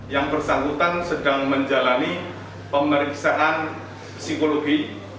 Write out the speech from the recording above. yang bersangkutan sedang menjalani pemeriksaan psikologi